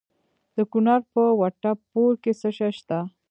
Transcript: د کونړ په وټه پور کې څه شی شته؟